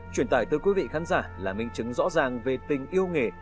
truyền tải từ quý vị khán giả là minh chứng rõ ràng về tình yêu nghề